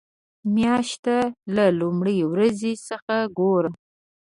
مياشت له لومړۍ ورځې څخه ګوره.